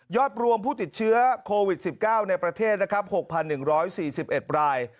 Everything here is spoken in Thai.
รวมผู้ติดเชื้อโควิด๑๙ในประเทศนะครับ๖๑๔๑ราย